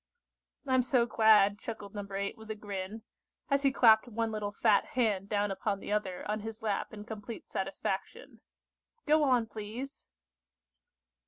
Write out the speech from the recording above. "I'm so glad," chuckled No. 8 with a grin, as he clapped one little fat hand down upon the other on his lap in complete satisfaction. "Go on, please."